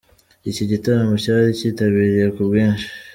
Iki gitaramo cyari kitabiriwe ku bwinshi.